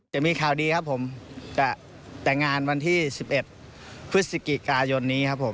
จะมีข่าวดีครับผมจะแต่งงานวันที่๑๑พฤศจิกายนนี้ครับผม